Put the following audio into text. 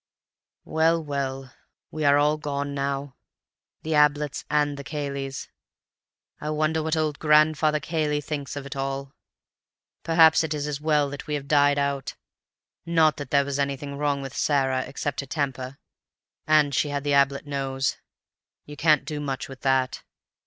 "Well, well, we are all gone now—the Abletts and the Cayleys. I wonder what old Grandfather Cayley thinks of it all. Perhaps it is as well that we have died out. Not that there was anything wrong with Sarah—except her temper. And she had the Ablett nose—you can't do much with that.